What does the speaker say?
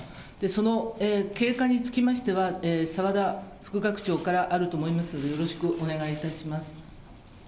その経過につきましては、澤田副学長からあると思いますので、よろしくお願いいたします。